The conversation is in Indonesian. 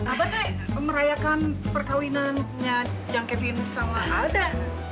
abah merayakan perkawinannya jang kevin sama aldan